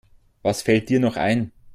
Was fällt dir noch ein?